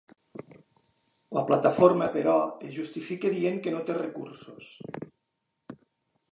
La plataforma, però, es justifica dient que no té recursos.